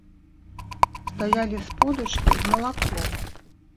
Стаялі сподачкі з малаком.